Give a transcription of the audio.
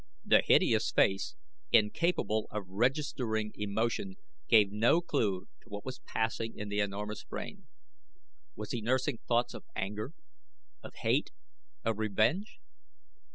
The hideous face, incapable of registering emotion, gave no clue to what was passing in the enormous brain. Was he nursing thoughts of anger, of hate, of revenge?